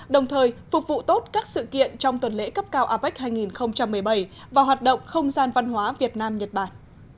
đồng thời phục vụ tốt các sự kiện trong tuần lễ cấp cao apec hai nghìn một mươi bảy và hoạt động không gian văn hóa việt nam nhật bản